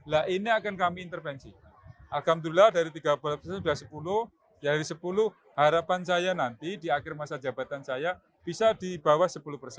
nah ini akan kami intervensi alhamdulillah dari tiga belas persen sudah sepuluh dari sepuluh harapan saya nanti di akhir masa jabatan saya bisa di bawah sepuluh persen